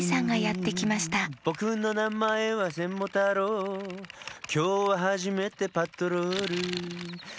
「ぼくのなまえはセモタロウ」「きょうははじめてパトロール」